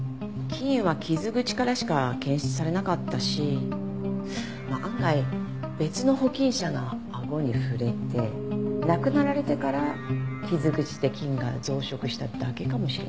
菌は傷口からしか検出されなかったし案外別の保菌者があごに触れて亡くなられてから傷口で菌が増殖しただけかもしれない。